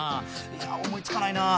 いや思いつかないな。